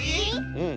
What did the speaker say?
うん。